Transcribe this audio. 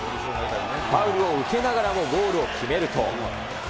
ファウルを受けながらもゴールを決めると。